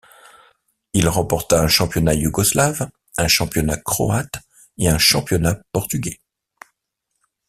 Il remporta un championnat yougoslave, un championnat croate et un championnat portugais.